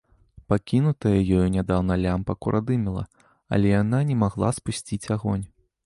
Пакінутая ёю нядаўна лямпа курадымела, але яна не магла спусціць агонь.